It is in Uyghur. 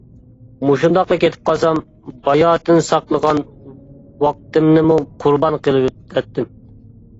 مۇشۇنداقلا كېتىپ قالسام، باياتىن ساقلىغان ۋاقتىمنىمۇ قۇربان قىلىۋېتەتتىم.